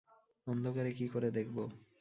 অন্ধকারে কি করে দেখব?